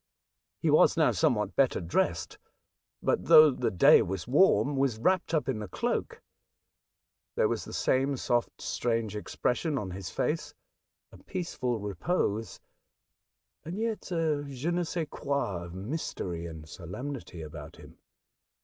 He was now somewhat better dressed, but, though the day was warm, was wrapped up in a cloak. There was the same soft, strange expression on his face — a peaceful repose — and yet a je ne sais quoi of mystery and solemnity about him.